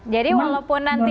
jadi walaupun nanti